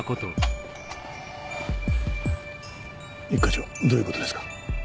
一課長どういう事ですか？